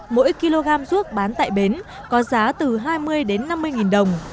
mỗi kg ruốc bán tại bến có giá từ hai mươi đến năm mươi nghìn đồng